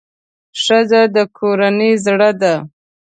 ښځه د کورنۍ زړه ده.